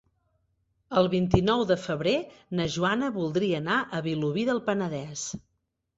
El vint-i-nou de febrer na Joana voldria anar a Vilobí del Penedès.